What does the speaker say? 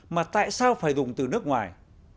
mà tại sao phải dùng từ nước ngoài